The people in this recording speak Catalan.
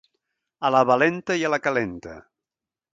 A la valenta i a la calenta.